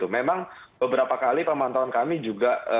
memang beberapa kali pemantauan kami juga